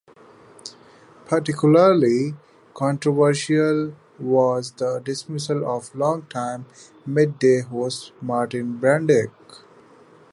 Particularly controversial was the dismissal of long-time mid-day host Martin Bandyke.